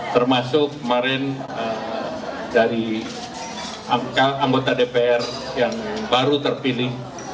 termasuk kemarin dari angka anggota dpr yang baru terpilih